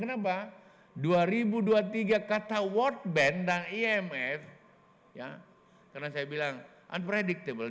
kenapa dua ribu dua puluh tiga kata world bank dan imf ya karena saya bilang unpredictable